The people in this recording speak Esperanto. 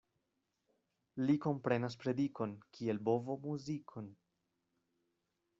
Li komprenas predikon, kiel bovo muzikon.